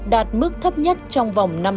đạt mức thấp nhất trong vùng đất